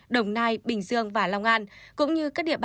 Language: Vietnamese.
đồng nai bình dương và long an